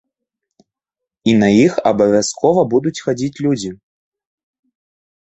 І на іх абавязкова будуць хадзіць людзі.